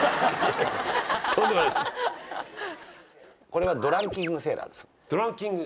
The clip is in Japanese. これはドランクン・セイラーです。